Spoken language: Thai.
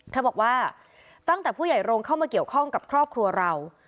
บอกว่าตั้งแต่ผู้ใหญ่โรงเข้ามาเกี่ยวข้องกับครอบครัวเรา